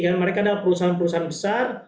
karena mereka adalah perusahaan perusahaan besar